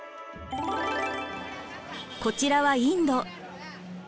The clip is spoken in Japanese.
こちらはインド。